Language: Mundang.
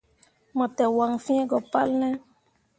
Mo te waŋ fĩĩ go palne ?